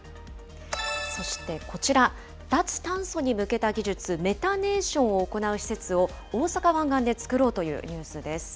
そしてこちら、脱炭素に向けた技術、メタネーションを行う施設を、大阪湾岸で作ろうというニュースです。